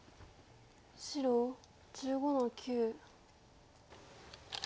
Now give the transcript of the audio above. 白１５の九。